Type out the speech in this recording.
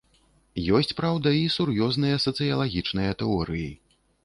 Ёсць, праўда, і сур'ёзныя сацыялагічныя тэорыі.